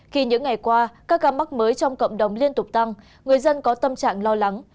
tình hình tục tăng người dân có tâm trạng lo lắng